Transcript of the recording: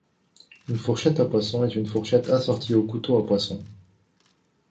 Une fourchette à poisson est une fourchette assortie au couteau à poisson.